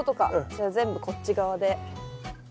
じゃあ全部こっち側で。